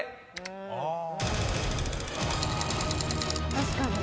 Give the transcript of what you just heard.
確かに。